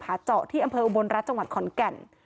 เจาะที่อำเภออุบลรัฐจังหวัดขอนแก่น